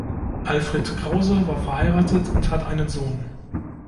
Alfred Krause war verheiratet und hat einen Sohn.